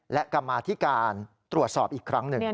และกรรมาธิการตรวจสอบอีกครั้งหนึ่ง